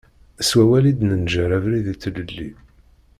S wawal i d-nenjer abrid i tlelli.